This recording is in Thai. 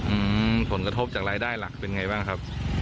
อืมผลกระทบจากรายได้หลักเป็นไงบ้างครับ